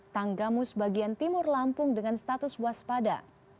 tanggamus bagian timur lampung dengan status waspada